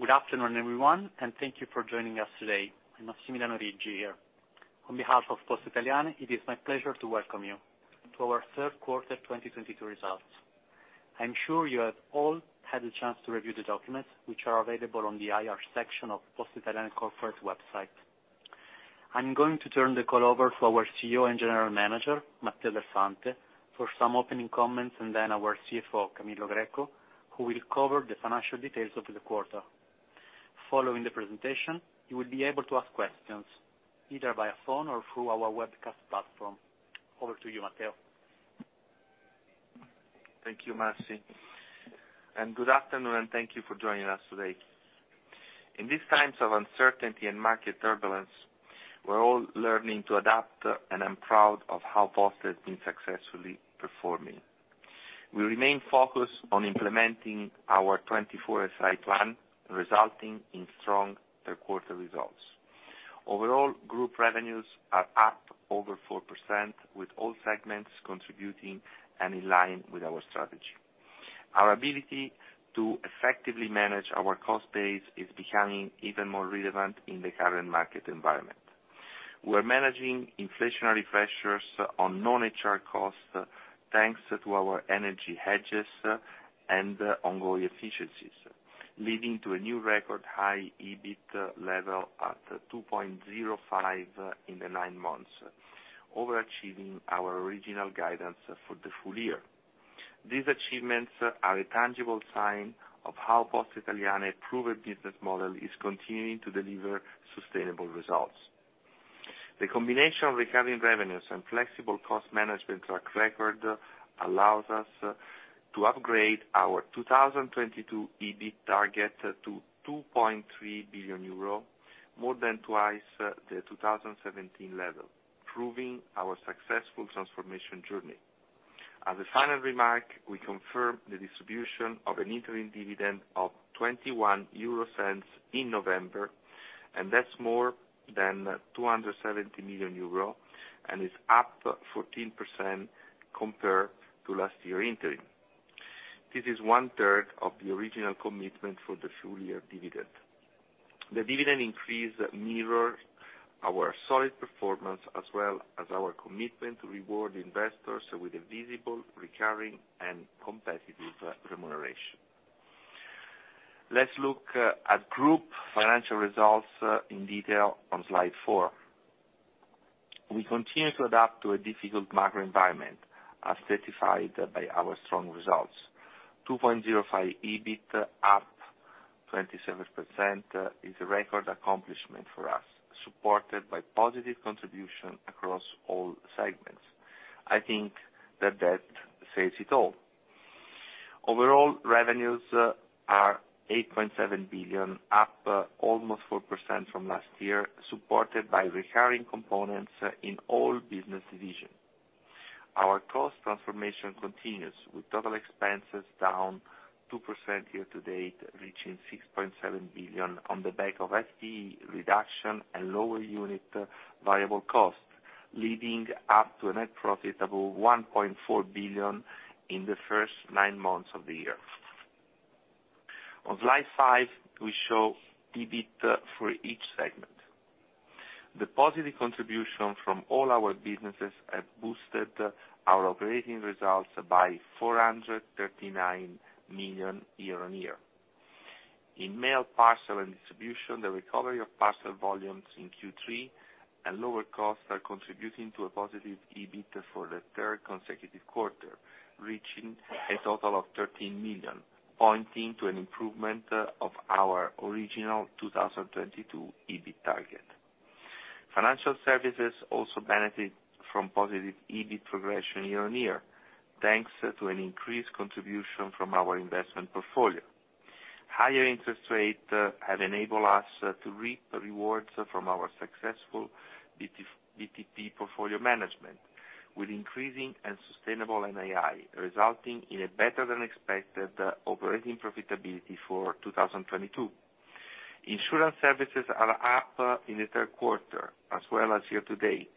Good afternoon, everyone, and thank you for joining us today. I'm Massimiliano Riggi here. On behalf of Poste Italiane, it is my pleasure to welcome you to our third quarter 2022 results. I'm sure you have all had the chance to review the documents which are available on the IR section of Poste Italiane corporate website. I'm going to turn the call over to our CEO and General Manager, Matteo Del Fante, for some opening comments, and then our CFO, Camillo Greco, who will cover the financial details of the quarter. Following the presentation, you will be able to ask questions either via phone or through our webcast platform. Over to you, Matteo. Thank you, Massi. Good afternoon, and thank you for joining us today. In these times of uncertainty and market turbulence, we're all learning to adapt, and I'm proud of how Poste has been successfully performing. We remain focused on implementing our 24SI plan, resulting in strong third quarter results. Overall, group revenues are up over 4%, with all segments contributing and in line with our strategy. Our ability to effectively manage our cost base is becoming even more relevant in the current market environment. We're managing inflationary pressures on non-HR costs thanks to our energy hedges, and ongoing efficiencies, leading to a new record high EBIT level at 2.05 in the nine months, overachieving our original guidance for the full year. These achievements are a tangible sign of how Poste Italiane's proven business model is continuing to deliver sustainable results. The combination of recurring revenues and flexible cost management track record allows us to upgrade our 2022 EBIT target to 2.3 billion euro, more than twice the 2017 level, proving our successful transformation journey. As a final remark, we confirm the distribution of an interim dividend of 0.21 in November, and that's more than 270 million euro and is up 14% compared to last year interim. This is one-third of the original commitment for the full year dividend. The dividend increase mirrors our solid performance, as well as our commitment to reward investors with a visible, recurring, and competitive remuneration. Let's look at group financial results in detail on slide 4. We continue to adapt to a difficult macro environment, as certified by our strong results. 2.05 EBIT up 27% is a record accomplishment for us, supported by positive contribution across all segments. I think that says it all. Overall, revenues are 8.7 billion, up almost 4% from last year, supported by recurring components in all business divisions. Our cost transformation continues, with total expenses down 2% year-to-date, reaching 6.7 billion on the back of FTE reduction and lower unit variable costs, leading up to a net profit of 1.4 billion in the first nine months of the year. On slide five, we show EBIT for each segment. The positive contribution from all our businesses have boosted our operating results by 439 million year-on-year. In mail, parcel, and distribution, the recovery of parcel volumes in Q3 and lower costs are contributing to a positive EBIT for the third consecutive quarter, reaching a total of 13 million, pointing to an improvement of our original 2022 EBIT target. Financial services also benefit from positive EBIT progression year-on-year, thanks to an increased contribution from our investment portfolio. Higher interest rates have enabled us to reap rewards from our successful BTP portfolio management, with increasing and sustainable NII, resulting in a better than expected operating profitability for 2022. Insurance services are up in the third quarter as well as year to date,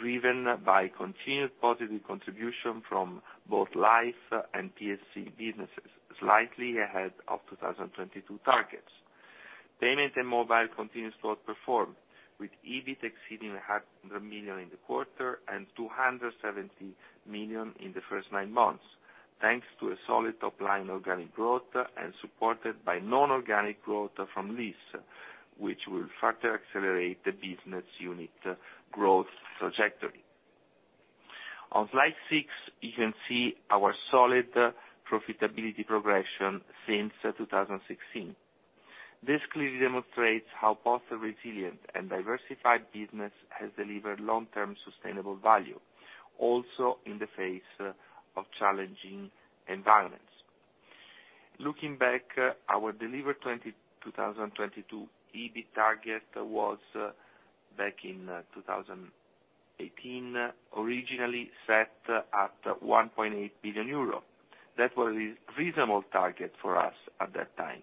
driven by continued positive contribution from both Life and P&C businesses, slightly ahead of 2022 targets. Payment and mobile continues to outperform, with EBIT exceeding 100 million in the quarter and 270 million in the first nine months, thanks to a solid top line organic growth and supported by non-organic growth from LIS, which will further accelerate the business unit growth trajectory. On slide 6, you can see our solid profitability progression since 2016. This clearly demonstrates how Poste resilient and diversified business has delivered long-term sustainable value, also in the face of challenging environments. Looking back, our delivered 2022 EBIT target was, back in 2018, originally set at 1.8 billion euro. That was a reasonable target for us at that time.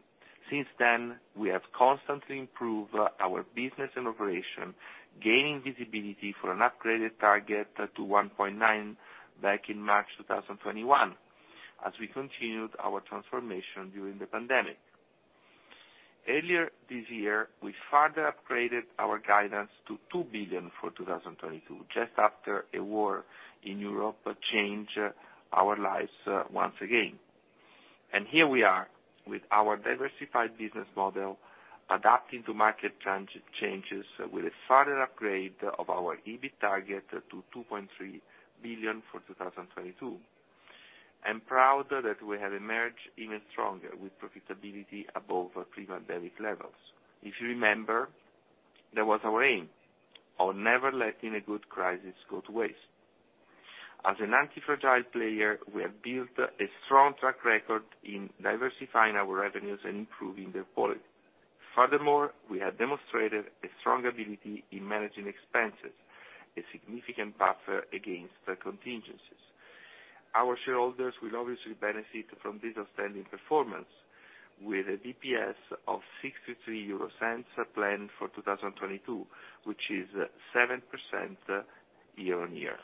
Since then, we have constantly improved our business and operation, gaining visibility for an upgraded target to 1.9 billion back in March 2021, as we continued our transformation during the pandemic. Earlier this year, we further upgraded our guidance to 2 billion for 2022, just after a war in Europe changed our lives once again. Here we are with our diversified business model, adapting to market changes with a further upgrade of our EBIT target to 2.3 billion for 2022. I'm proud that we have emerged even stronger with profitability above pre-pandemic levels. If you remember, that was our aim of never letting a good crisis go to waste. As an anti-fragile player, we have built a strong track record in diversifying our revenues and improving their quality. Furthermore, we have demonstrated a strong ability in managing expenses, a significant buffer against the contingencies. Our shareholders will obviously benefit from this outstanding performance, with a DPS of 0.63 planned for 2022, which is 7% year-on-year.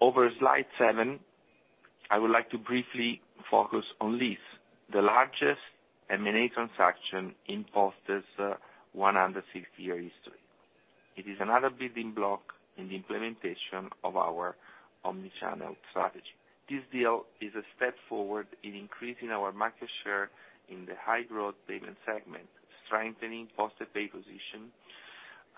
Over slide 7, I would like to briefly focus on LIS, the largest M&A transaction in Poste Italiane's 160-year history. It is another building block in the implementation of our omni-channel strategy. This deal is a step forward in increasing our market share in the high growth payment segment, strengthening PostePay position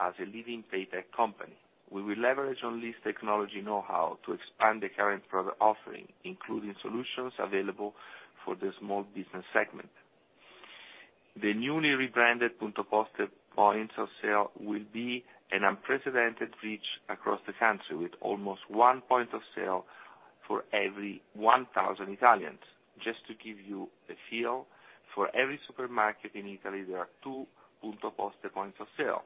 as a leading PayTech company. We will leverage on LIS technology knowhow to expand the current product offering, including solutions available for the small business segment. The newly rebranded Punto Poste points of sale will be an unprecedented reach across the country, with almost 1 point of sale for every 1,000 Italians. Just to give you a feel, for every supermarket in Italy, there are 2 Punto Poste points of sale.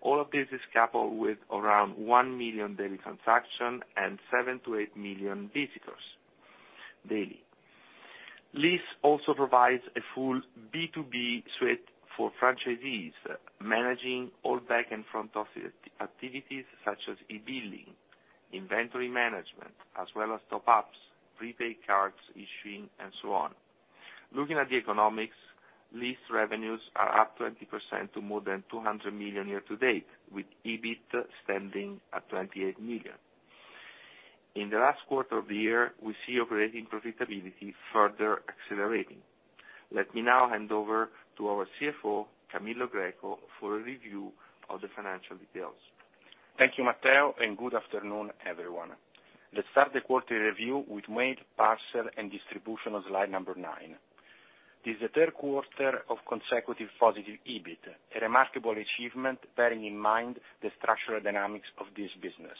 All of this is coupled with around 1 million daily transaction and 7-8 million visitors daily. LIS also provides a full B2B suite for franchisees, managing all back and front office activities such as e-billing, inventory management, as well as top-ups, prepaid cards issuing, and so on. Looking at the economics, LIS revenues are up 20% to more than 200 million year to date, with EBIT standing at 28 million. In the last quarter of the year, we see operating profitability further accelerating. Let me now hand over to our CFO, Camillo Greco, for a review of the financial details. Thank you, Matteo, and good afternoon, everyone. Let's start the quarterly review with mail, parcel, and distribution on slide number 9. This is the third quarter of consecutive positive EBIT, a remarkable achievement bearing in mind the structural dynamics of this business.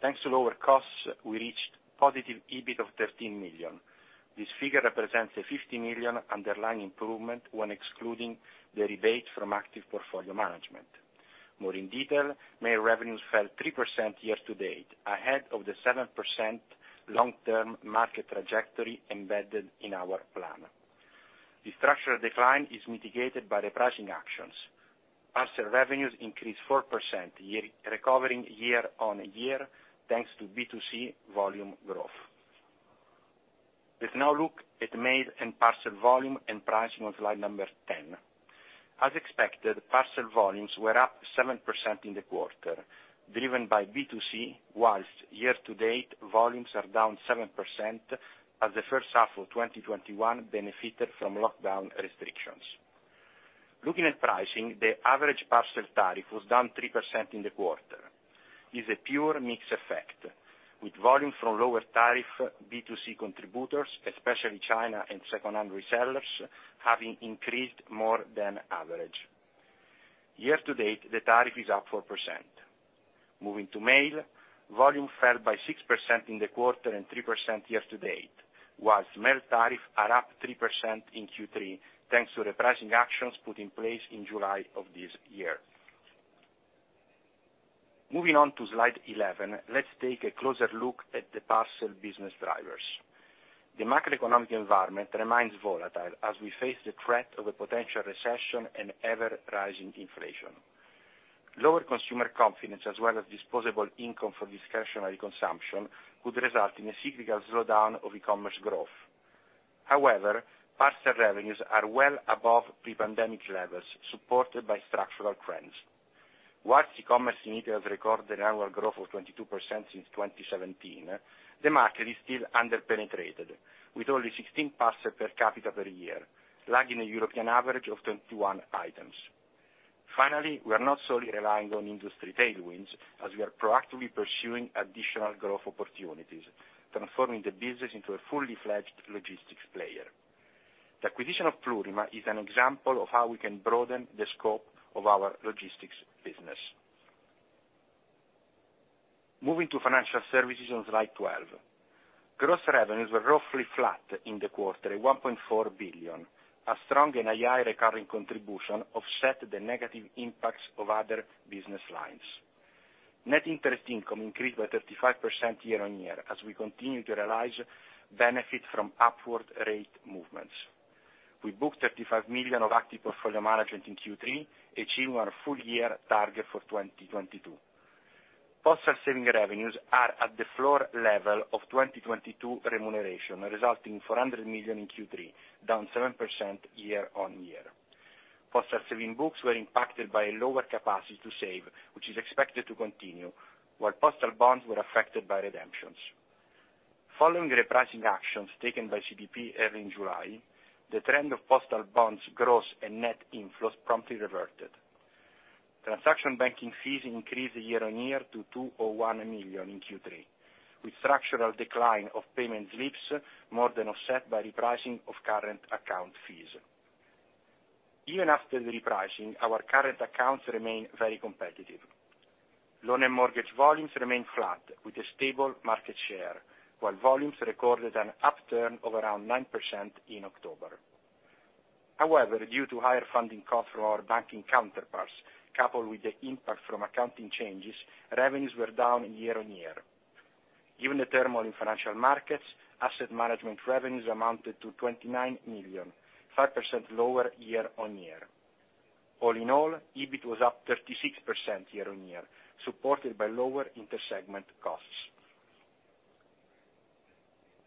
Thanks to lower costs, we reached positive EBIT of 13 million. This figure represents a 50 million underlying improvement when excluding the rebate from active portfolio management. More in detail, mail revenues fell 3% year to date, ahead of the 7% long-term market trajectory embedded in our plan. The structural decline is mitigated by the pricing actions. Parcel revenues increased 4% year, recovering year on year, thanks to B2C volume growth. Let's now look at mail and parcel volume and pricing on slide number 10. As expected, parcel volumes were up 7% in the quarter, driven by B2C, while year to date, volumes are down 7% as the first half of 2021 benefited from lockdown restrictions. Looking at pricing, the average parcel tariff was down 3% in the quarter, is a pure mix effect, with volume from lower tariff B2C contributors, especially China and second-hand resellers, having increased more than average. Year to date, the tariff is up 4%. Moving to mail, volume fell by 6% in the quarter and 3% year to date, while mail tariff are up 3% in Q3, thanks to the pricing actions put in place in July of this year. Moving on to slide 11, let's take a closer look at the parcel business drivers. The macroeconomic environment remains volatile as we face the threat of a potential recession and ever-rising inflation. Lower consumer confidence as well as disposable income for discretionary consumption could result in a significant slowdown of e-commerce growth. However, parcel revenues are well above pre-pandemic levels, supported by structural trends. While e-commerce in Italy has recorded annual growth of 22% since 2017, the market is still under-penetrated, with only 16 parcels per capita per year, lagging a European average of 21 items. Finally, we are not solely relying on industry tailwinds, as we are proactively pursuing additional growth opportunities, transforming the business into a fully fledged logistics player. The acquisition of Plurima is an example of how we can broaden the scope of our logistics business. Moving to financial services on slide 12. Gross revenues were roughly flat in the quarter at 1.4 billion. A strong and high recurring contribution offset the negative impacts of other business lines. Net interest income increased by 35% year-on-year, as we continue to realize benefit from upward rate movements. We booked 35 million of active portfolio management in Q3, achieving our full-year target for 2022. Postal saving revenues are at the floor level of 2022 remuneration, resulting in 400 million in Q3, down 7% year-on-year. Postal saving books were impacted by a lower capacity to save, which is expected to continue, while postal bonds were affected by redemptions. Following repricing actions taken by CDP early in July, the trend of postal bonds gross and net inflows promptly reverted. Transaction banking fees increased year-on-year to 201 million in Q3, with structural decline of payment slips more than offset by repricing of current account fees. Even after the repricing, our current accounts remain very competitive. Loan and mortgage volumes remain flat with a stable market share, while volumes recorded an upturn of around 9% in October. However, due to higher funding costs for our banking counterparts, coupled with the impact from accounting changes, revenues were down year-on-year. Given the turmoil in financial markets, asset management revenues amounted to 29 million, 5% lower year-on-year. All in all, EBIT was up 36% year-on-year, supported by lower inter-segment costs.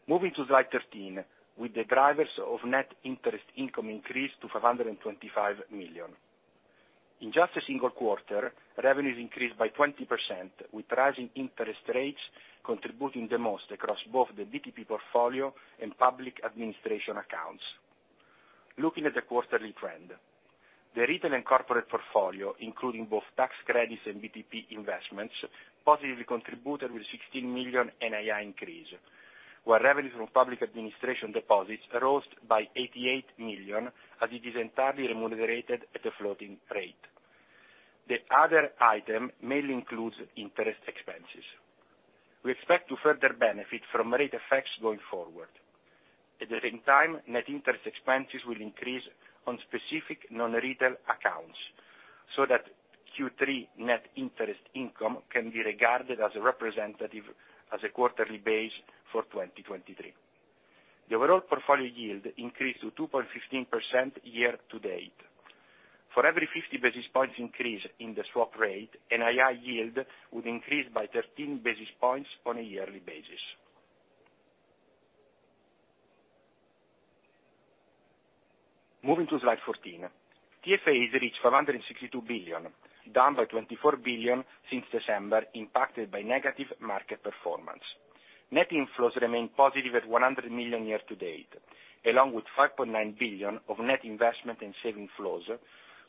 Moving to slide 13, with the drivers of net interest income increase to 525 million. In just a single quarter, revenues increased by 20%, with rising interest rates contributing the most across both the BTP portfolio and public administration accounts. Looking at the quarterly trend, the retail and corporate portfolio, including both tax credits and BTP investments, positively contributed with 16 million NII increase, while revenues from public administration deposits rose by 88 million as it is entirely remunerated at a floating rate. The other item mainly includes interest expenses. We expect to further benefit from rate effects going forward. At the same time, net interest expenses will increase on specific non-retail accounts, so that Q3 net interest income can be regarded as representative as a quarterly base for 2023. The overall portfolio yield increased to 2.15% year to date. For every 50 basis points increase in the swap rate, NII yield would increase by 13 basis points on a yearly basis. Moving to slide 14. TFAs reached 562 billion, down by 24 billion since December, impacted by negative market performance. Net inflows remained positive at 100 million year to date, along with 5.9 billion of net investment in savings flows,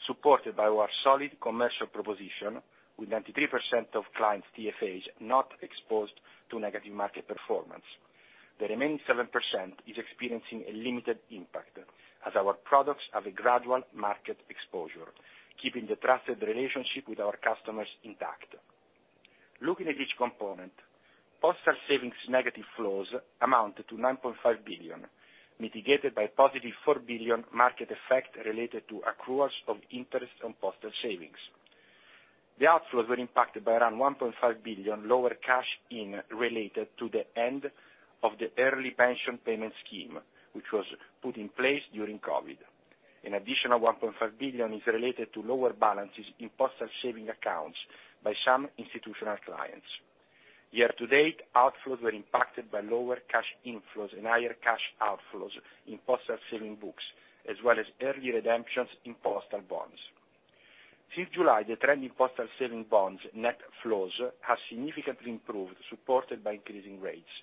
supported by our solid commercial proposition, with 93% of clients TFAs not exposed to negative market performance. The remaining 7% is experiencing a limited impact, as our products have a gradual market exposure, keeping the trusted relationship with our customers intact. Looking at each component, postal savings negative flows amounted to 9.5 billion, mitigated by positive 4 billion market effect related to accruals of interest on postal savings. The outflows were impacted by around 1.5 billion lower cash in related to the end of the early pension payment scheme, which was put in place during COVID. An additional 1.5 billion is related to lower balances in postal savings accounts by some institutional clients. Year to date, outflows were impacted by lower cash inflows and higher cash outflows in postal saving books, as well as early redemptions in postal bonds. Since July, the trend in postal saving bonds net flows has significantly improved, supported by increasing rates.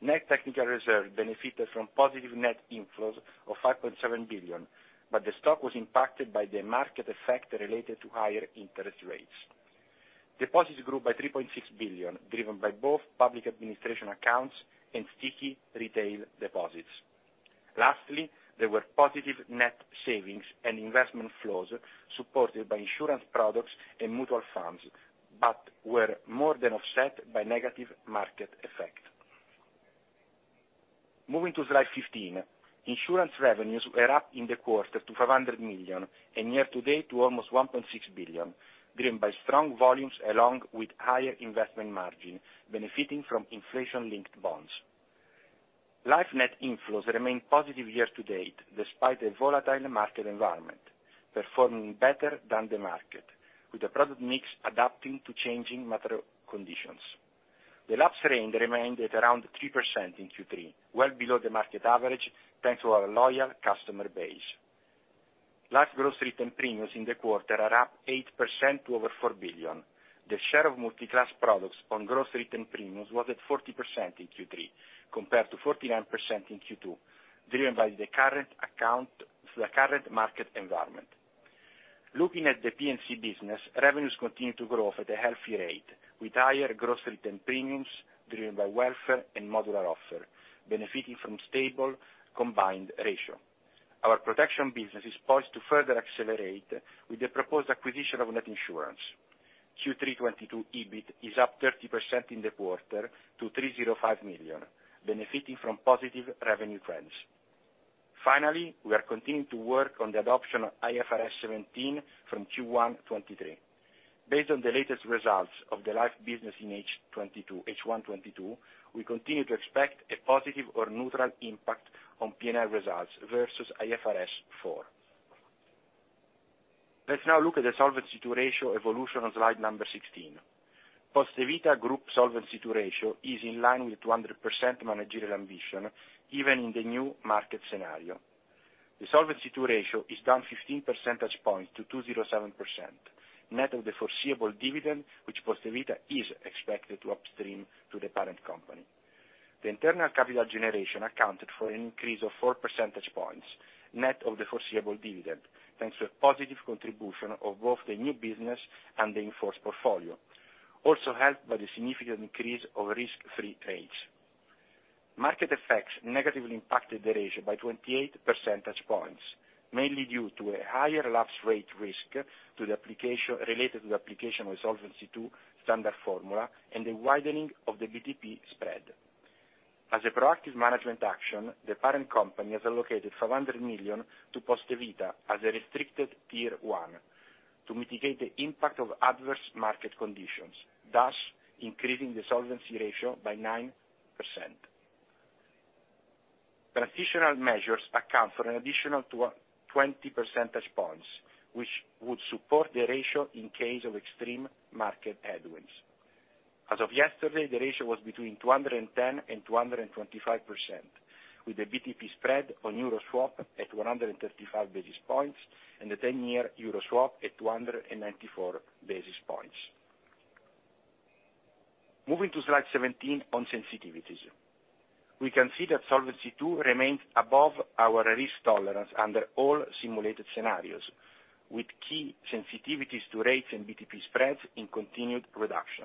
Net technical reserve benefited from positive net inflows of 5.7 billion, but the stock was impacted by the market effect related to higher interest rates. Deposits grew by 3.6 billion, driven by both public administration accounts and sticky retail deposits. Lastly, there were positive net savings and investment flows supported by insurance products and mutual funds, but were more than offset by negative market effect. Moving to slide 15. Insurance revenues were up in the quarter to 500 million, and year to date to almost 1.6 billion, driven by strong volumes along with higher investment margin, benefiting from inflation-linked bonds. Life net inflows remained positive year to date, despite the volatile market environment, performing better than the market, with the product mix adapting to changing macro conditions. The lapse rate remained at around 3% in Q3, well below the market average, thanks to our loyal customer base. Life gross written premiums in the quarter are up 8% to over 4 billion. The share of multi-class products on gross written premiums was at 40% in Q3, compared to 49% in Q2, driven by the current market environment. Looking at the P&C business, revenues continued to grow at a healthy rate, with higher gross written premiums driven by welfare and modular offer, benefiting from stable combined ratio. Our protection business is poised to further accelerate with the proposed acquisition of Net Insurance. Q3 2022 EBIT is up 30% in the quarter to 305 million, benefiting from positive revenue trends. Finally, we are continuing to work on the adoption of IFRS 17 from Q1 2023. Based on the latest results of the life business in H1 2022, we continue to expect a positive or neutral impact on PNL results versus IFRS 4. Let's now look at the Solvency II ratio evolution on slide 16. Poste Vita Group's Solvency II ratio is in line with 200% managerial ambition, even in the new market scenario. The Solvency II ratio is down 15 percentage points to 207%, net of the foreseeable dividend, which Poste Vita is expected to upstream to the parent company. The internal capital generation accounted for an increase of 4 percentage points, net of the foreseeable dividend, thanks to a positive contribution of both the new business and the in-force portfolio, also helped by the significant increase of risk-free rates. Market effects negatively impacted the ratio by 28 percentage points, mainly due to a higher lapse rate risk to the application, related to the application of Solvency II standard formula and the widening of the BTP spread. As a proactive management action, the parent company has allocated 500 million to Poste Vita as a restricted tier one to mitigate the impact of adverse market conditions, thus increasing the solvency ratio by 9%. Transitional measures account for an additional 20 percentage points, which would support the ratio in case of extreme market headwinds. As of yesterday, the ratio was between 210% and 225%, with the BTP spread on Euro swap at 135 basis points and the ten-year Euro swap at 294 basis points. Moving to slide 17 on sensitivities. We can see that Solvency II remains above our risk tolerance under all simulated scenarios, with key sensitivities to rates and BTP spreads in continued reduction.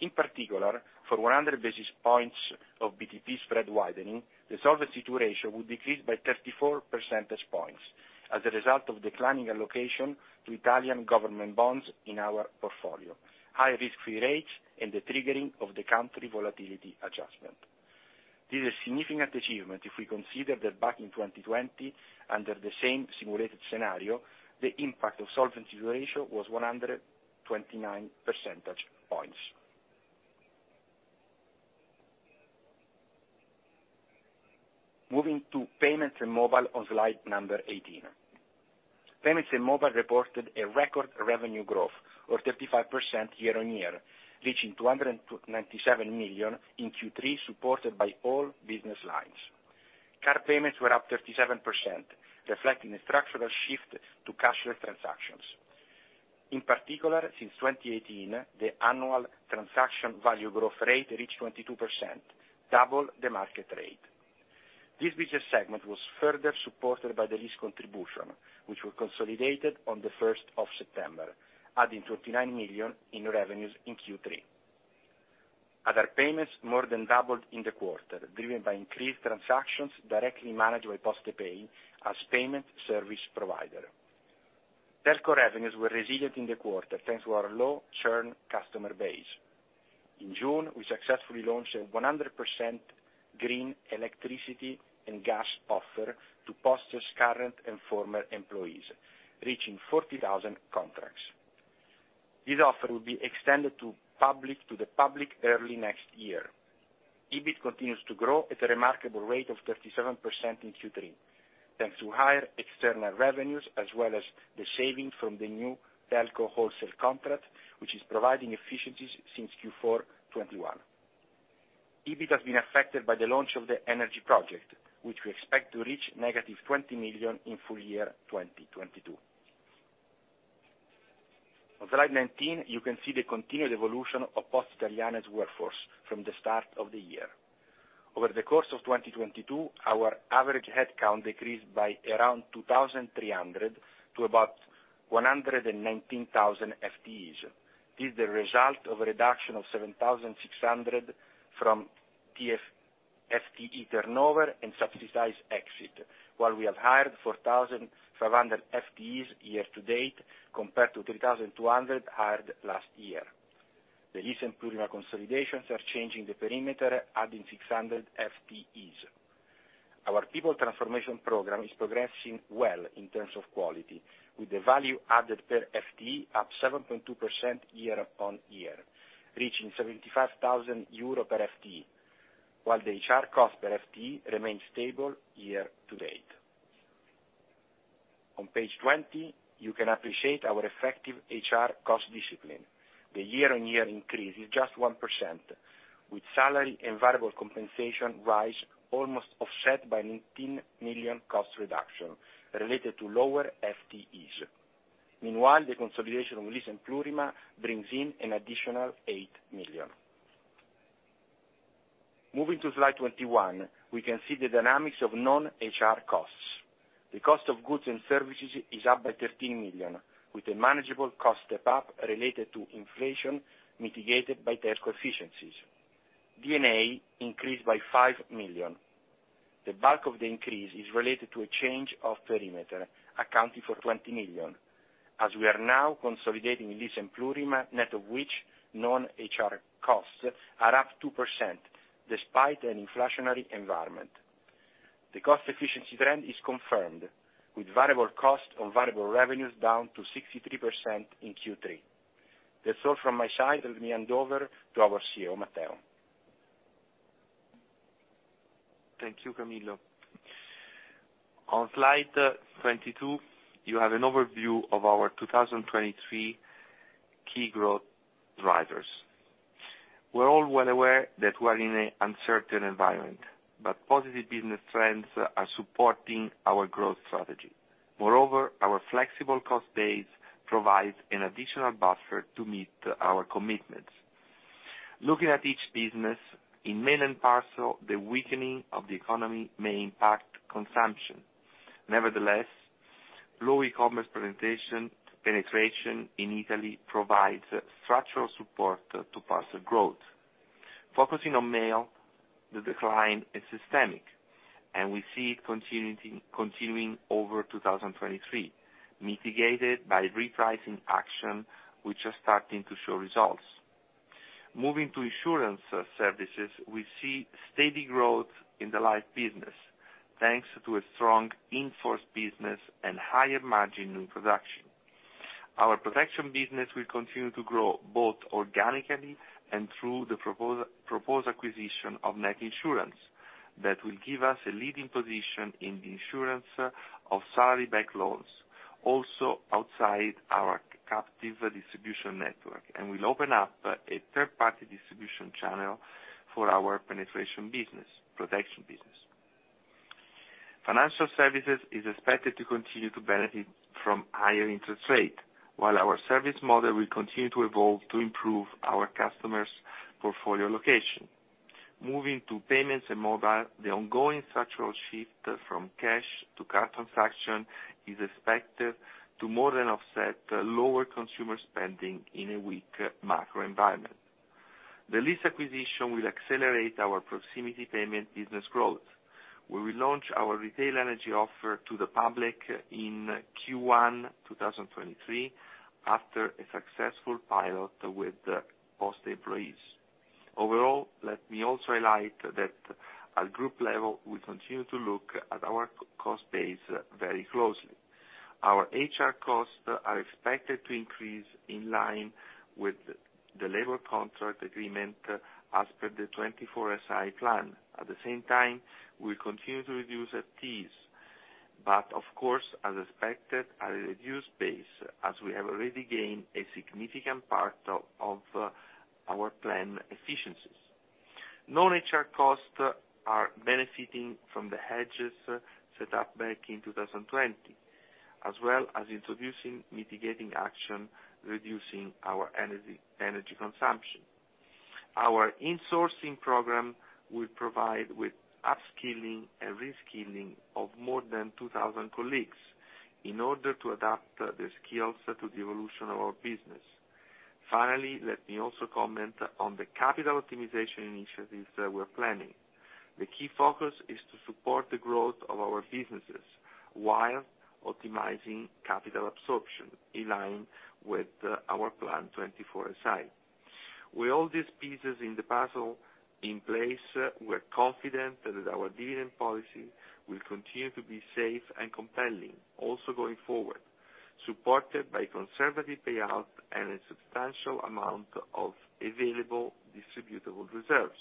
In particular, for 100 basis points of BTP spread widening, the Solvency II ratio would decrease by 34 percentage points as a result of declining allocation to Italian government bonds in our portfolio, high risk-free rates, and the triggering of the Country Volatility Adjustment. This is a significant achievement if we consider that back in 2020, under the same simulated scenario, the impact of solvency ratio was 129 percentage points. Moving to payments and mobile on slide 18. Payments and mobile reported a record revenue growth of 35% year-on-year, reaching 297 million in Q3, supported by all business lines. Card payments were up 37%, reflecting a structural shift to cashless transactions. In particular, since 2018, the annual transaction value growth rate reached 22%, double the market rate. This business segment was further supported by the LIS contribution, which were consolidated on the first of September, adding 29 million in revenues in Q3. Other payments more than doubled in the quarter, driven by increased transactions directly managed by PostePay as payment service provider. Telco revenues were resilient in the quarter, thanks to our low churn customer base. In June, we successfully launched a 100% green electricity and gas offer to Poste's current and former employees, reaching 40,000 contracts. This offer will be extended to the public early next year. EBIT continues to grow at a remarkable rate of 37% in Q3, thanks to higher external revenues as well as the savings from the new telco wholesale contract, which is providing efficiencies since Q4 2021. EBIT has been affected by the launch of the energy project, which we expect to reach -20 million in full year 2022. On slide 19, you can see the continued evolution of Poste Italiane's workforce from the start of the year. Over the course of 2022, our average headcount decreased by around 2,300 to about 119,000 FTEs. This is the result of a reduction of 7,600 from the FTE turnover and subsidized exit. While we have hired 4,500 FTEs year to date, compared to 3,200 hired last year. The recent Plurima consolidations are changing the perimeter, adding 600 FTEs. Our people transformation program is progressing well in terms of quality, with the value added per FTE up 7.2% year-over-year, reaching 75,000 euro per FTE, while the HR cost per FTE remains stable year to date. On page 20, you can appreciate our effective HR cost discipline. The year-over-year increase is just 1%, with salary and variable compensation rise almost offset by an 18 million cost reduction related to lower FTEs. Meanwhile, the consolidation of LIS and Plurima brings in an additional 8 million. Moving to slide 21, we can see the dynamics of non-HR costs. The cost of goods and services is up by 13 million, with a manageable cost step up related to inflation mitigated by telco efficiencies. D&A increased by 5 million. The bulk of the increase is related to a change of perimeter, accounting for 20 million. As we are now consolidating LIS and Plurima, net of which non-HR costs are up 2% despite an inflationary environment. The cost efficiency trend is confirmed with variable cost on variable revenues down to 63% in Q3. That's all from my side. Let me hand over to our CEO, Matteo. Thank you, Camillo. On slide 22, you have an overview of our 2023 key growth drivers. We're all well aware that we're in an uncertain environment, but positive business trends are supporting our growth strategy. Moreover, our flexible cost base provides an additional buffer to meet our commitments. Looking at each business, in Mail & Parcel, the weakening of the economy may impact consumption. Nevertheless, low e-commerce penetration in Italy provides structural support to parcel growth. Focusing on Mail, the decline is systemic, and we see it continuing over 2023, mitigated by repricing action which are starting to show results. Moving to Insurance services, we see steady growth in the life business, thanks to a strong in-force business and higher margin new production. Our protection business will continue to grow both organically and through the proposed acquisition of Net Insurance. That will give us a leading position in the insurance of salary-backed loans, also outside our captive distribution network, and will open up a third-party distribution channel for our pension business, protection business. Financial services is expected to continue to benefit from higher interest rates, while our service model will continue to evolve to improve our customers' portfolio allocation. Moving to payments and mobile, the ongoing structural shift from cash to card transactions is expected to more than offset lower consumer spending in a weak macro environment. The LIS acquisition will accelerate our proximity payment business growth. We will launch our retail energy offer to the public in Q1 2023, after a successful pilot with Poste employees. Overall, let me also highlight that at group level, we continue to look at our cost base very closely. Our HR costs are expected to increase in line with the labor contract agreement as per the 24SI plan. At the same time, we'll continue to reduce costs, but of course, as expected, at a reduced base, as we have already gained a significant part of our plan efficiencies. Non-HR costs are benefiting from the hedges set up back in 2020, as well as introducing mitigating action, reducing our energy consumption. Our insourcing program will provide with upskilling and reskilling of more than 2,000 colleagues in order to adapt the skills to the evolution of our business. Finally, let me also comment on the capital optimization initiatives that we're planning. The key focus is to support the growth of our businesses while optimizing capital absorption in line with our plan 24SI. With all these pieces in the puzzle in place, we're confident that our dividend policy will continue to be safe and compelling, also going forward, supported by conservative payout and a substantial amount of available distributable reserves.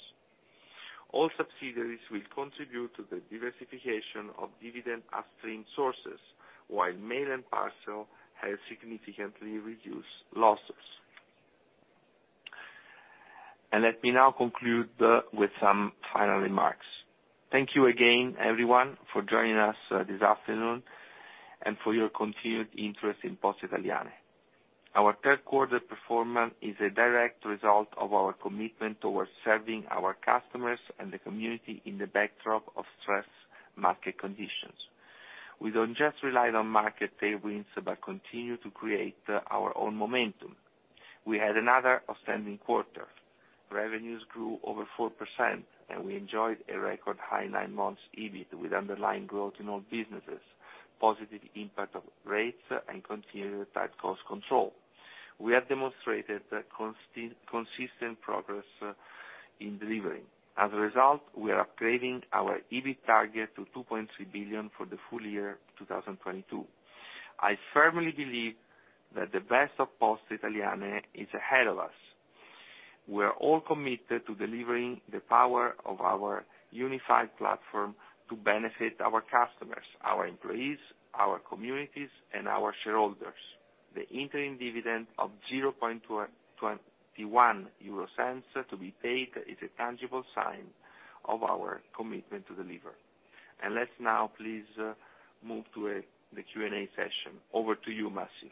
All subsidiaries will contribute to the diversification of dividend upstream sources, while Mail & Parcel has significantly reduced losses. Let me now conclude with some final remarks. Thank you again, everyone, for joining us this afternoon and for your continued interest in Poste Italiane. Our third quarter performance is a direct result of our commitment towards serving our customers and the community in the backdrop of stressed market conditions. We don't just rely on market tailwinds, but continue to create our own momentum. We had another outstanding quarter. Revenues grew over 4%, and we enjoyed a record high nine months EBIT, with underlying growth in all businesses, positive impact of rates and continued tight cost control. We have demonstrated consistent progress in delivering. As a result, we are upgrading our EBIT target to 2.3 billion for the full year 2022. I firmly believe that the best of Poste Italiane is ahead of us. We are all committed to delivering the power of our unified platform to benefit our customers, our employees, our communities, and our shareholders. The interim dividend of 0.21 to be paid is a tangible sign of our commitment to deliver. Let's now please move to the Q&A session. Over to you, Massi.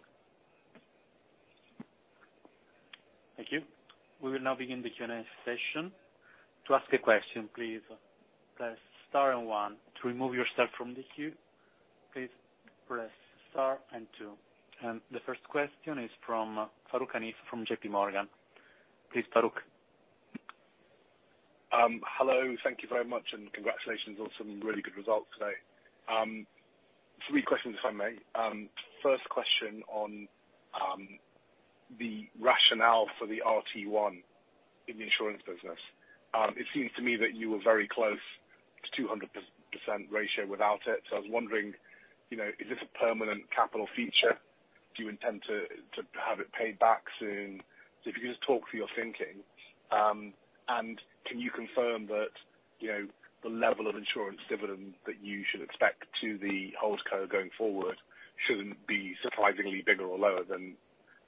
Thank you. We will now begin the Q&A session. To ask a question, please press star and one. To remove yourself from the queue, please press star and two. The first question is from Farooq Hanif from J.P. Morgan. Please, Farooq. Hello. Thank you very much, and congratulations on some really good results today. Three questions if I may. First question on the rationale for the RT1 in the insurance business. It seems to me that you were very close to 200% ratio without it, so I was wondering, you know, is this a permanent capital feature? Do you intend to have it paid back soon? If you could just talk through your thinking. And can you confirm that, you know, the level of insurance dividend that you should expect to the whole co going forward shouldn't be surprisingly bigger or lower than,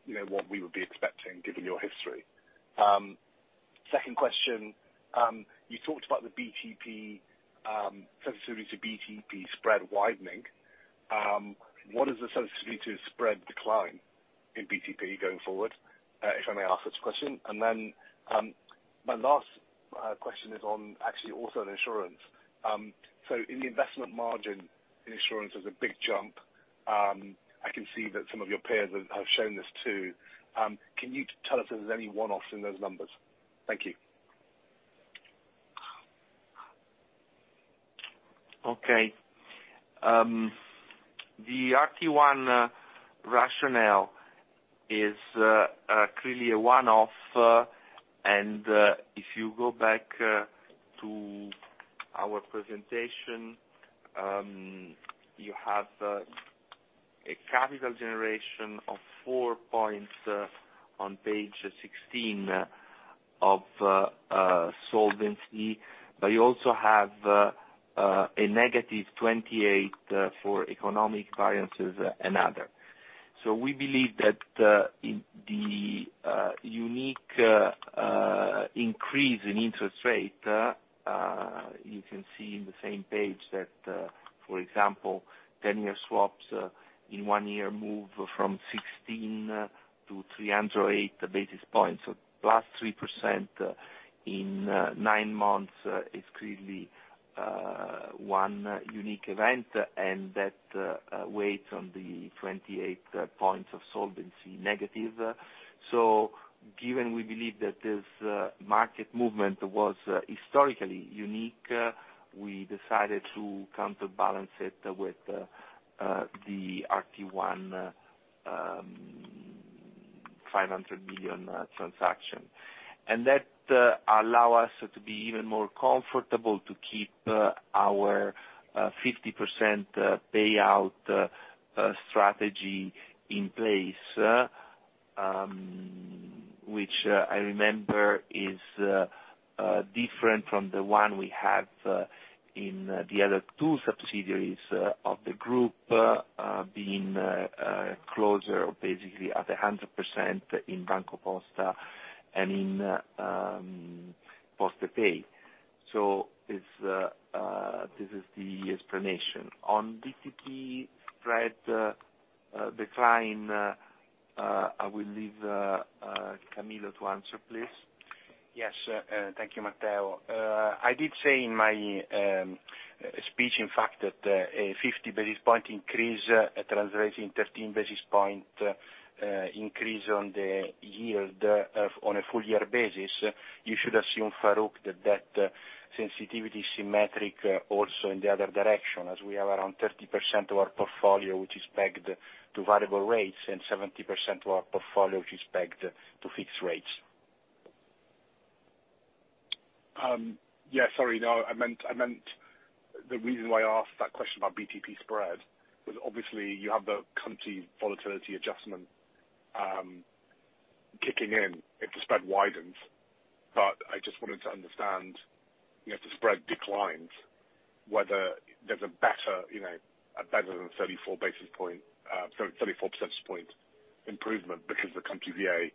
you know, what we would be expecting given your history? Second question. You talked about the BTP sensitivity to BTP spread widening. What is the sensitivity to spread decline in BTP going forward? If I may ask such a question. My last question is on actually also on insurance. In the investment margin in insurance is a big jump. I can see that some of your peers have shown this too. Can you tell us if there's any one-offs in those numbers? Thank you. Okay. The RT1 rationale is clearly a one-off. If you go back to our presentation, you have a capital generation of 4 points on page 16 of solvency, but you also have a negative 28 for economic variances and other. We believe that in the unique increase in interest rate, you can see in the same page that, for example, 10-year swaps in one year move from 16 to 308 basis points, so plus 3% in nine months is clearly one unique event. That weighs on the 28 points of solvency negative. Given we believe that this market movement was historically unique, we decided to counterbalance it with the RT1 500 million transaction. That allows us to be even more comfortable to keep our 50% payout strategy in place, which I remember is different from the one we have in the other two subsidiaries of the group, being closer or basically at 100% in BancoPosta and in PostePay. This is the explanation. On BTP spread decline, I will leave Camillo to answer, please. Yes. Thank you, Matteo. I did say in my speech, in fact, that a 50 basis point increase translates in 13 basis point increase on the yield, on a full year basis. You should assume, Farooq, that that sensitivity is symmetric, also in the other direction as we have around 30% of our portfolio, which is pegged to variable rates and 70% of our portfolio, which is pegged to fixed rates. Yeah. Sorry, no. I meant the reason why I asked that question about BTP spread was obviously you have the Country Volatility Adjustment kicking in if the spread widens. I just wanted to understand, you know, if the spread declines, whether there's a better, you know, a better than 34 basis point, 34 percentage point improvement because the Country VA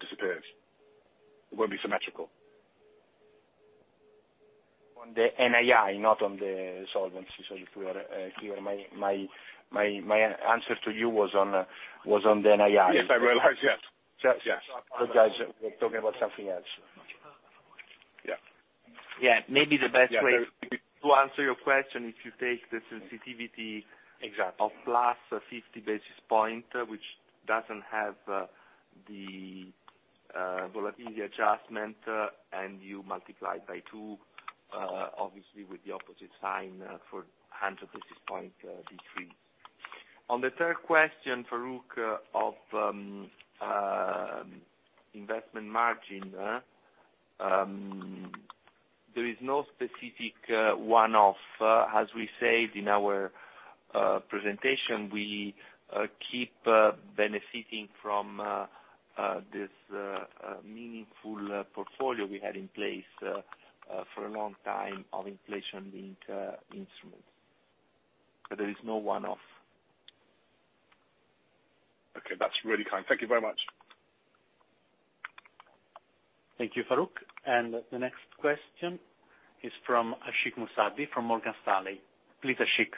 disappears. It won't be symmetrical. On the NII, not on the solvency. If we are clear, my answer to you was on the NII. Yes, I realize. Yes. Apologize. We're talking about something else. Yeah. Yeah. Maybe the best way to answer your question, if you take the sensitivity. Exactly. Of +50 basis points, which doesn't have the volatility adjustment, and you multiply by 2, obviously with the opposite sign, for 100 basis points VA. On the third question, Farooq, of investment margin, there is no specific one-off. As we said in our presentation, we keep benefiting from this meaningful portfolio we had in place for a long time of inflation-linked instruments. There is no one-off. Okay. That's really kind. Thank you very much. Thank you, Farooq. The next question is from Ashik Musaddi from Morgan Stanley. Please, Ashik.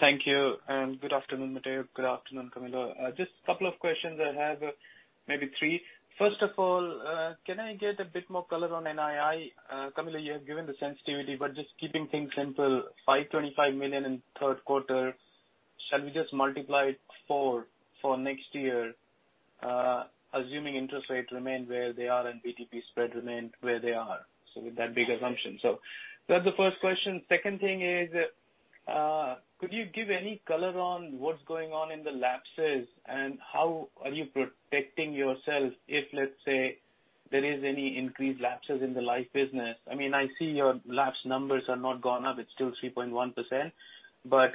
Thank you, and good afternoon, Matteo. Good afternoon, Camillo. Just a couple of questions I have, maybe three. First of all, can I get a bit more color on NII? Camillo, you have given the sensitivity, but just keeping things simple, 525 million in third quarter. Shall we just multiply it 4 for next year, assuming interest rates remain where they are and BTP spread remain where they are. With that big assumption. That's the first question. Second thing is, could you give any color on what's going on in the lapses, and how are you protecting yourself if, let's say, there is any increased lapses in the life business? I mean, I see your lapse numbers are not gone up. It's still 3.1%.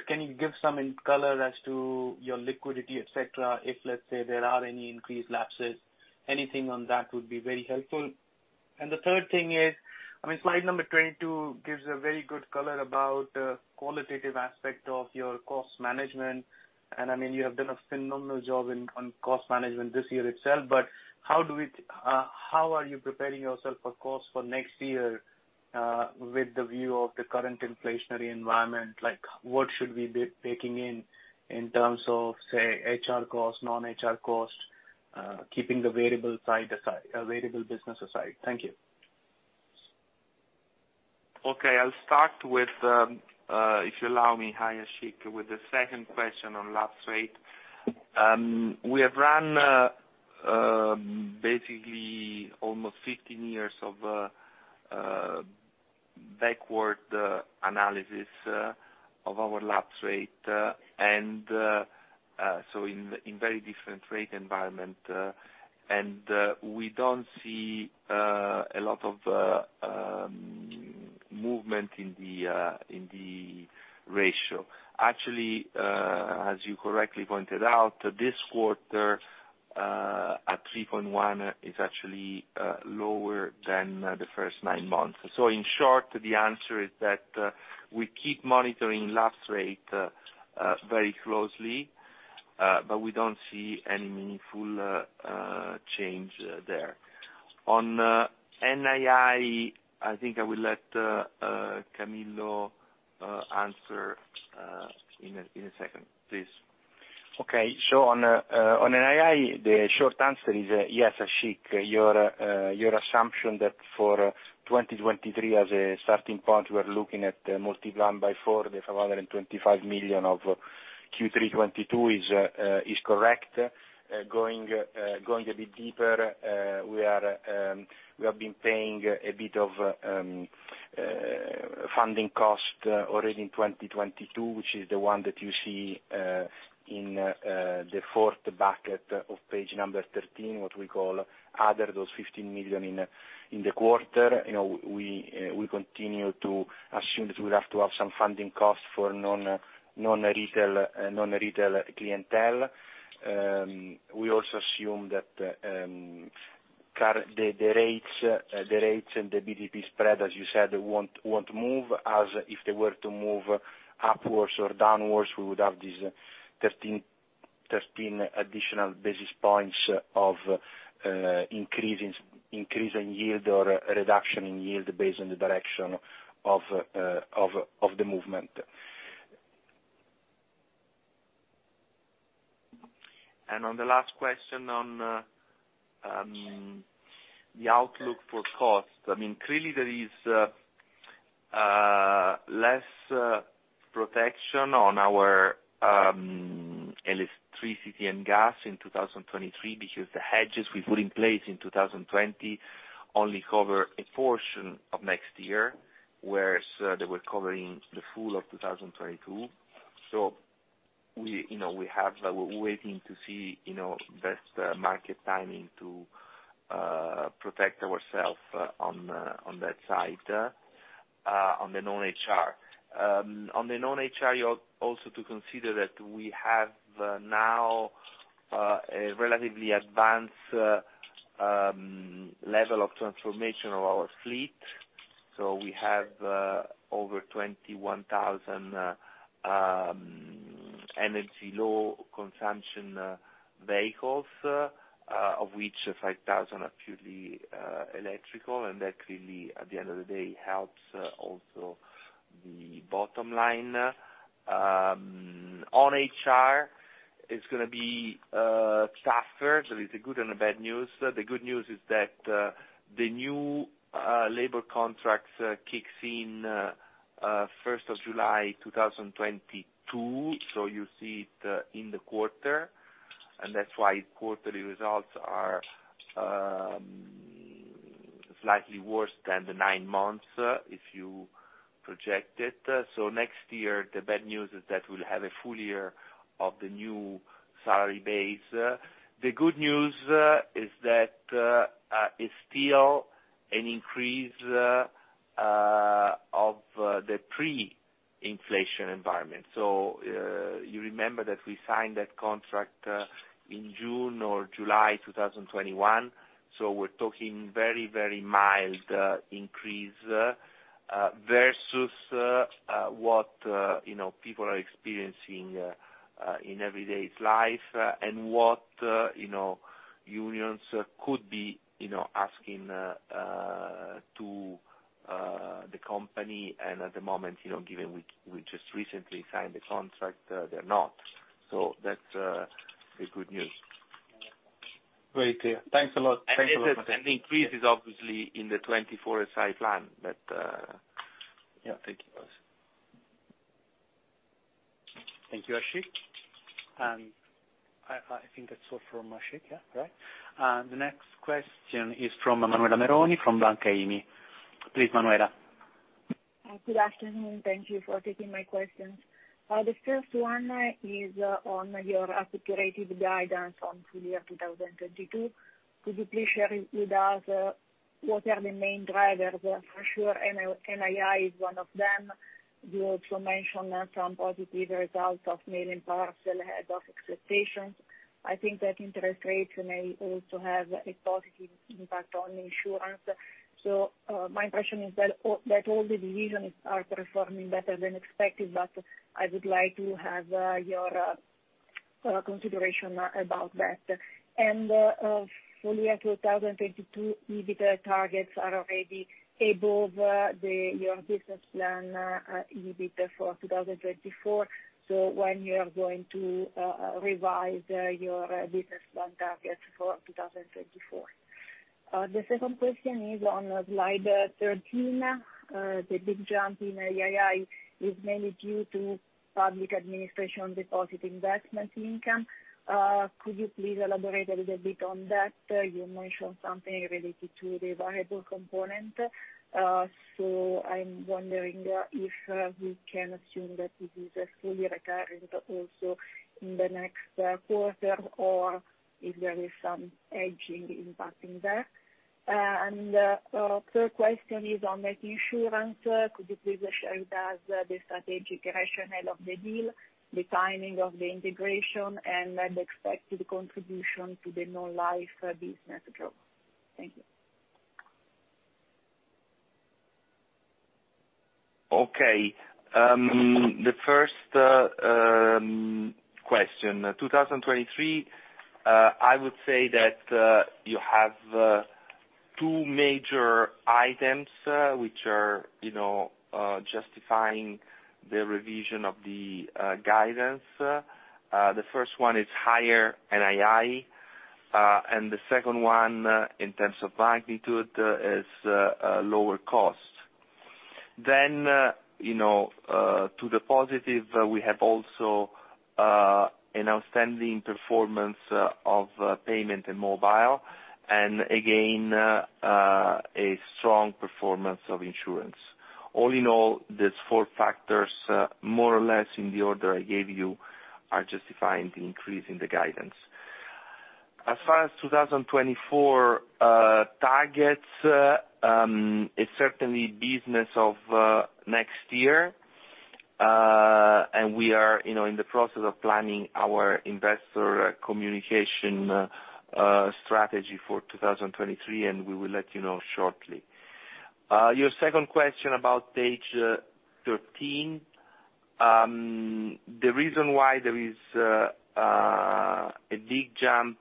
Can you give some color as to your liquidity, et cetera, if, let's say, there are any increased lapses? Anything on that would be very helpful. The third thing is, I mean, slide number 22 gives a very good color about qualitative aspect of your cost management. I mean, you have done a phenomenal job on cost management this year itself. How are you preparing yourself for costs for next year, with the view of the current inflationary environment? Like, what should we be baking in in terms of, say, HR costs, non-HR costs, keeping the variable business aside? Thank you. Okay, I'll start with, if you allow me, hi Ashik, with the second question on lapse rate. We have run basically almost 15 years of backward analysis of our lapse rate, and so in very different rate environment, and we don't see a lot of movement in the ratio. Actually, as you correctly pointed out, this quarter at 3.1% is actually lower than the first nine months. In short, the answer is that we keep monitoring lapse rate very closely, but we don't see any meaningful change there. On NII, I think I will let Camillo answer in a second, please. Okay. On NII, the short answer is, yes, Ashik, your assumption that for 2023 as a starting point, we're looking at multiplying by 4 the 525 million of Q3 2022 is correct. Going a bit deeper, we have been paying a bit of funding cost already in 2022, which is the one that you see in the fourth bucket of page 13, what we call other, those 15 million in the quarter. You know, we continue to assume that we'll have to have some funding costs for non-retail clientele. We also assume that the rates and the BTP spread, as you said, won't move. As if they were to move upwards or downwards, we would have these 13 additional basis points of increase in yield or reduction in yield based on the direction of the movement. On the last question on the outlook for cost, I mean, clearly there is less protection on our electricity and gas in 2023 because the hedges we put in place in 2020 only cover a portion of next year, whereas they were covering the full of 2022. We, you know, we have, we're waiting to see, you know, best market timing to protect ourself on that side, on the non-HR. On the non-HR, you also to consider that we have now a relatively advanced level of transformation of our fleet. We have over 21,000 energy low consumption vehicles, of which 5,000 are purely electrical, and that clearly, at the end of the day, helps also the bottom line. On HR, it's gonna be tougher. It's a good and a bad news. The good news is that the new labor contracts kicks in first of July 2022, so you see it in the quarter. That's why quarterly results are slightly worse than the nine months if you project it. Next year, the bad news is that we'll have a full year of the new salary base. The good news is that it's still an increase of the pre-inflation environment. You remember that we signed that contract in June or July 2021. We're talking very, very mild increase versus what you know people are experiencing in everyday life and what you know unions could be you know asking the company. At the moment, you know, given we just recently signed the contract, they're not. That's the good news. Very clear. Thanks a lot. The increase is obviously in the 24SI plan, but. Yeah. Thank you, boss. Thank you, Ashik. I think that's all from Ashik, yeah, right? The next question is from Manuela Meroni from Intesa Sanpaolo. Please, Manuela. Good afternoon. Thank you for taking my questions. The first one is on your aspirational guidance on full year 2022. Could you please share with us what are the main drivers? For sure, NII is one of them. You also mentioned some positive results of mail and parcel ahead of expectations. I think that interest rates may also have a positive impact on insurance. My impression is that all the divisions are performing better than expected, but I would like to have your consideration about that. Full year 2022 EBITDA targets are already above your business plan EBITDA for 2024, so when you are going to revise your business plan targets for 2024? The second question is on slide 13. The big jump in NII is mainly due to public administration deposit investment income. Could you please elaborate a little bit on that? You mentioned something related to the variable component, so I'm wondering if we can assume that this is fully recurring, but also in the next quarter, or if there is some hedging impacting that. Third question is on Net Insurance. Could you please share with us the strategic rationale of the deal, the timing of the integration, and the expected contribution to the non-life business growth? Thank you. Okay. The first question. 2023, I would say that you have two major items which are, you know, justifying the revision of the guidance. The first one is higher NII, and the second one, in terms of magnitude, is lower costs. You know, to the positive, we have also an outstanding performance of payments in mobile, and again a strong performance of insurance. All in all, these four factors, more or less in the order I gave you, are justifying the increase in the guidance. As far as 2024 targets, it's certainly business of next year, and we are, you know, in the process of planning our investor communication strategy for 2023, and we will let you know shortly. Your second question about page 13, the reason why there is a big jump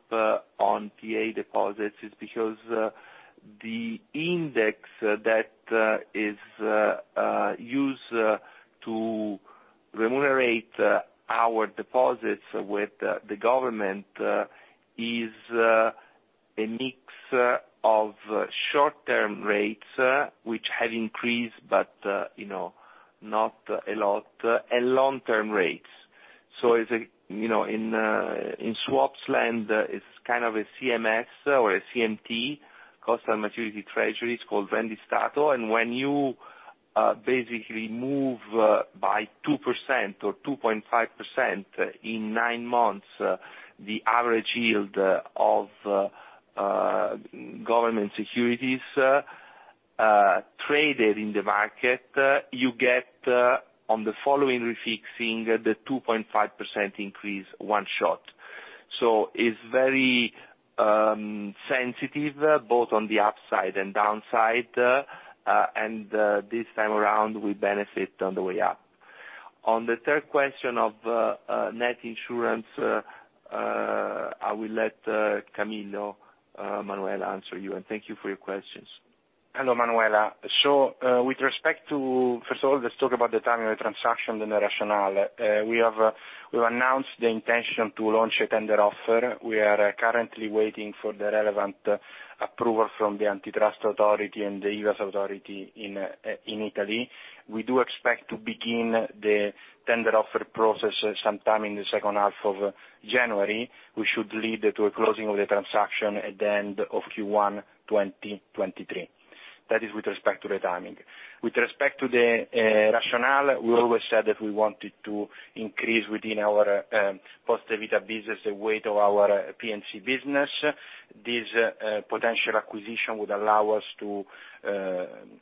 on PA deposits is because the index that is used to remunerate our deposits with the government is a mix of short-term rates, which have increased, but, you know, not a lot, and long-term rates. It's, you know, in swaps land, it's kind of a CMS or a CMT, constant maturity treasury. It's called Rendistato. When you basically move by 2% or 2.5% in nine months, the average yield of government securities traded in the market you get on the following refixing, the 2.5% increase one shot. It's very sensitive, both on the upside and downside, and this time around, we benefit on the way up. On the third question of Net Insurance, I will let Camillo Greco, Manuela Meroni answer you. Thank you for your questions. Hello, Manuela. First of all, let's talk about the timing of the transaction and the rationale. We've announced the intention to launch a tender offer. We are currently waiting for the relevant approval from the antitrust authority and the IVASS authority in Italy. We do expect to begin the tender offer process sometime in the second half of January, which should lead to a closing of the transaction at the end of Q1 2023. That is with respect to the timing. With respect to the rationale, we always said that we wanted to increase within our Poste Vita business the weight of our P&C business. This potential acquisition would allow us to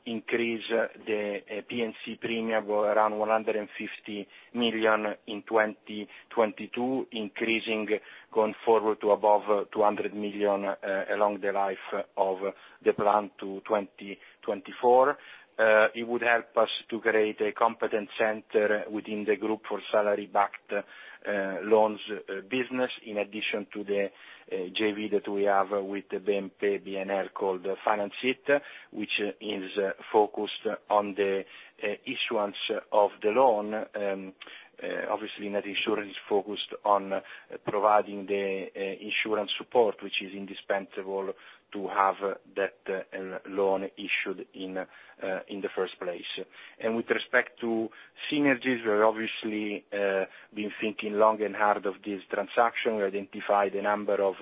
increase the P&C premium around 150 million in 2022, increasing going forward to above 200 million along the life of the plan to 2024. It would help us to create a competence center within the group for salary-backed loans business, in addition to the JV that we have with the BNL BNP Paribas called Findomestic, which is focused on the issuance of the loan. Obviously Net Insurance is focused on providing the insurance support, which is indispensable to have that loan issued in the first place. With respect to synergies, we're obviously been thinking long and hard of this transaction. We identified a number of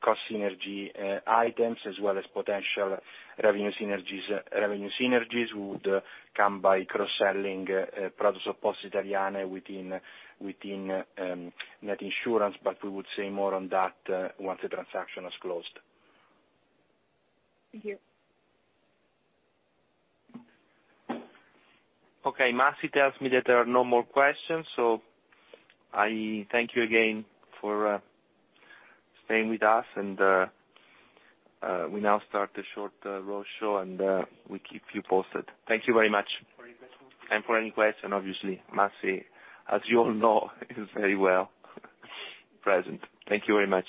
cost synergy items, as well as potential revenue synergies. Revenue synergies would come by cross-selling products of Poste Italiane within Net Insurance, but we would say more on that once the transaction is closed. Thank you. Okay. Massi tells me that there are no more questions, so I thank you again for staying with us and we now start the short roadshow, and we keep you posted. Thank you very much. For any questions. For any question, obviously, Massi, as you all know, is very well present. Thank you very much.